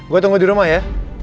gue tunggu di rumah ya